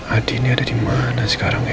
adi ini ada dimana sekarang ya